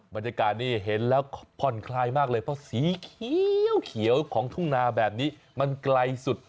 บรรยากาศนี้เห็นแล้วผ่อนคลายมากเลยเพราะสีเขียวของทุ่งนาแบบนี้มันไกลสุด